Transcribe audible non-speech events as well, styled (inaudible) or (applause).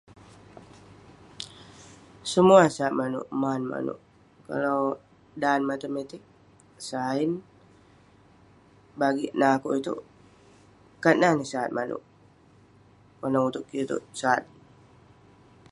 Somah eh sat maneuk, man maneuk, kalau dan matematik, saen, bagik nah akeuk iteuk, kat nah neh sat maneuk. (unintelligible) neh uteq kik iteuk sat.